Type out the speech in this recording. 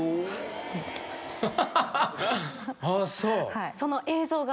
はい。